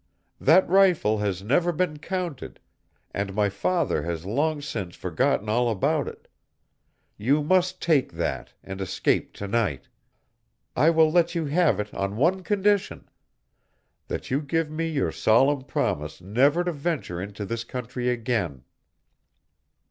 That rifle has never been counted, and my father has long since forgotten all about it. You must take that, and escape to night. I will let you have it on one condition that you give me your solemn promise never to venture into this country again."